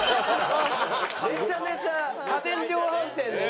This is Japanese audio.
めちゃめちゃ家電量販店でね。